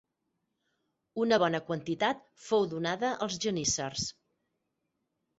Una bona quantitat fou donada als geníssers.